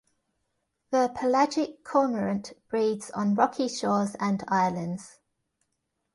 The pelagic cormorant breeds on rocky shores and islands.